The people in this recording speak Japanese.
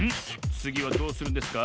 つぎはどうするんですか？